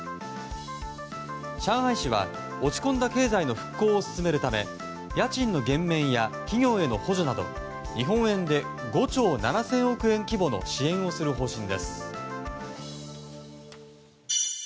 上海市は、落ち込んだ経済の復興を進めるため家賃の減免や企業への補助など日本円で５兆７０００億円規模の支援をする方針です。